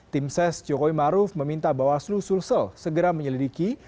tim ses jokowi maruf meminta bahwa slu sul sel segera menyelidiki